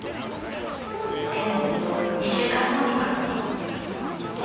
［でも２週間後には］